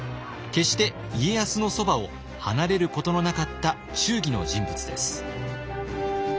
決して家康のそばを離れることのなかった忠義の人物です。